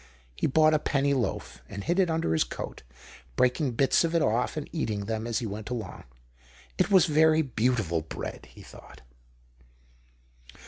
He bought a penny loaf and hid it under his coat, breakinoj bits off" it and eating them as he went along. It was very beautiful l)read, he thought.